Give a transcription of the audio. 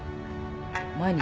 毎日？